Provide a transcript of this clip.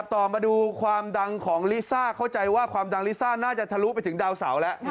ต่อมาดูความดังของลิซ่าเข้าใจว่าความดังลิซ่าน่าจะทะลุไปถึงดาวเสาแล้ว